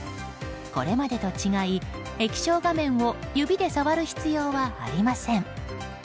これまでと違い、液晶画面を指で触る必要はありません。